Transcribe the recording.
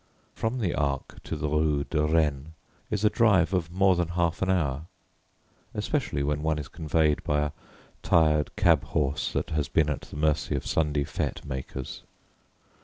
From the Arc to the Rue de Rennes is a drive of more than half an hour, especially when one is conveyed by a tired cab horse that has been at the mercy of Sunday fete makers.